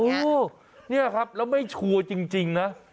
โอ้โหนี่ครับแล้วไม่ชัวร์จริงนะ